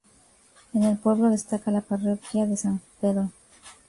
En el pueblo destaca la parroquia de San Pedro.